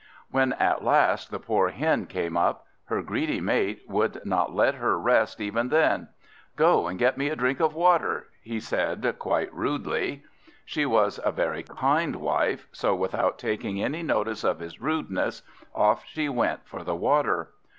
When at last the poor Hen came up, her greedy mate would not let her rest even then. "Go and get me a drink of water," said he quite rudely. She was a very kind wife, so without taking any notice of his rudeness, off she went for the water.